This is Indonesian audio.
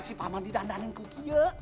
si paman didandaning kukia